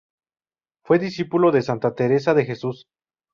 Fue discípulo de santa Teresa de Jesús.